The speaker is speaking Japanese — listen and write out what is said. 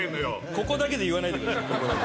ここだけで言わないでください